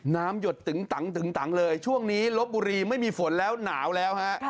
หยดตึงตังตึงตังเลยช่วงนี้ลบบุรีไม่มีฝนแล้วหนาวแล้วฮะ